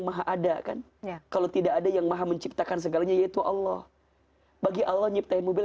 maha ada kan kalau tidak ada yang maha menciptakan segalanya yaitu allah bagi allah nyiptain mobil